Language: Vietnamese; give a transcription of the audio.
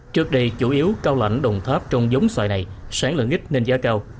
trước đây chủ yếu cao lạnh đồng tháp trong giống xoài này sáng lượng ít nên giá cao